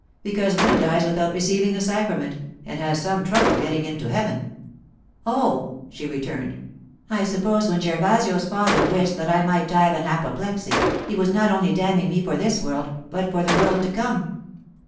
'Because one dies without receiving the sacrament, and has some trouble about getting into heaven.' 'Oh!' she returned. 'I suppose when Gervasio's father wished that I might die of an apoplexy he was not only damning me for this world, but for the world to come.